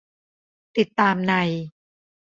ติดตามใน